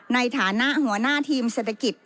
ในฐานะหัวหน้าทีมเศรษฐกิจ